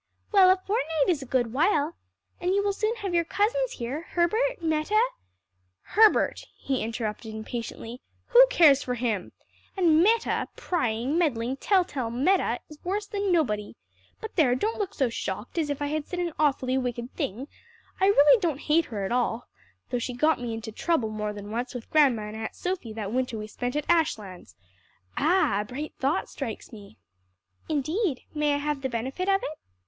"Well a fortnight is a good while. And you will soon have your cousins here Herbert, Meta " "Herbert!" he interrupted impatiently, "who cares for him? and Meta, prying, meddling, tell tale Meta's worse than nobody. But there! don't look so shocked, as if I had said an awfully wicked thing. I really don't hate her at all, though she got me into trouble more than once with grandma and Aunt Sophie that winter we spent at Ashlands. Ah, a bright thought strikes me!" "Indeed! may I have the benefit of it?"